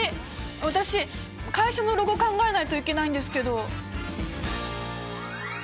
私会社のロゴ考えないといけないんですけど！